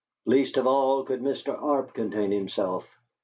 Least of all could Mr. Arp contain himself.